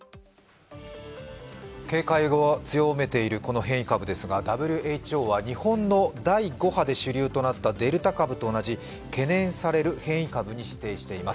警戒を強めているこの変異株ですがＷＨＯは日本の第５波で主流となったデルタ株と同じ懸念される変異株に指定しています。